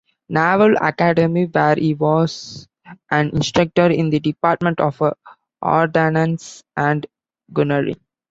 Naval Academy, where he was an instructor in the Department of Ordnance and Gunnery.